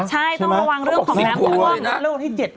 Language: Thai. เราว่าวันที่เจ็ด